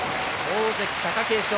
大関貴景勝